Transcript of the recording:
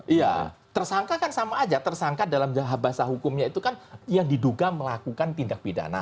iya tersangka kan sama aja tersangka dalam bahasa hukumnya itu kan yang diduga melakukan tindak pidana